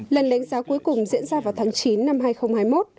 lần đánh giá cuối cùng diễn ra vào tháng chín năm hai nghìn hai mươi một